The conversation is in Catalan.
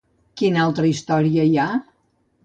Quina altra història hi ha?